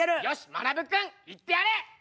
よしまなぶ君言ってやれ！